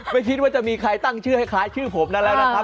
ไม่คิดว่าจะมีใครตั้งชื่อให้คล้ายชื่อผมนั้นแล้วนะครับ